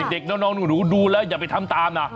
เด็กน้องหนูดูแล้วอย่าไปทำตามนะ